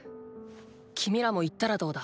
君らも行ったらどうだ？